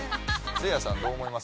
せいやさんどう思います？